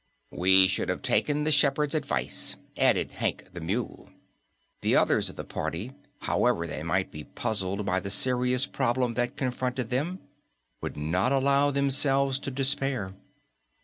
"We should have taken the shepherd's advice," added Hank the Mule. The others of the party, however they might be puzzled by the serious problem that confronted them, would not allow themselves to despair.